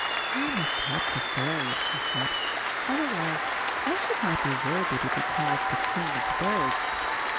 "I must help the fairies," he said, "otherwise I should not be worthy to be called the 'king of birds'."